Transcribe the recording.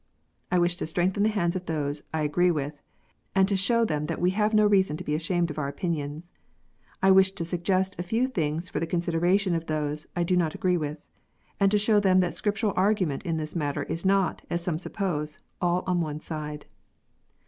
I wish to strengthen the hands of those I agree with, and to show them that we have no reason to be ashamed of our opinions. I wish to suggest a few things for the consideration of those I do not agree with, and to show them that the Scriptural argument in this matter is not, as some suppose, all on one side.